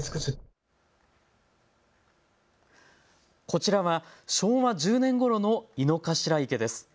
こちらは昭和１０年ごろの井の頭池です。